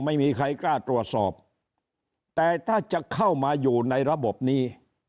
ไม่มีใครกล้าตรวจสอบแต่ถ้าจะเข้ามาอยู่ในระบบนี้